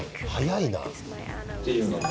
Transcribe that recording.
早いな。